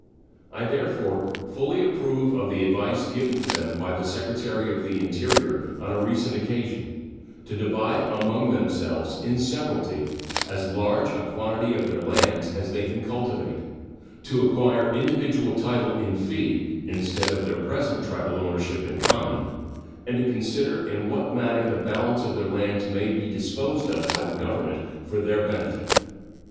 I therefore fully approve of the advice given to them by the Secretary of the Interior on a recent occasion, to divide among themselves in severalty as large a quantity of their lands as they can cultivate; to acquire individual title in fee instead of their present tribal ownership in common, and to consider in what manner the balance of their lands may be disposed of by the Government for their benefit.